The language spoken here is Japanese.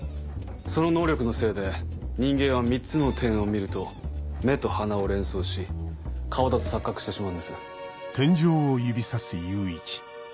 その能力のせいで人間は３つの点を見ると目と鼻を連想し顔だと錯覚してしまうんです。